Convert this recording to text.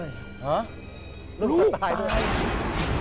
ฮะลูกตายด้วย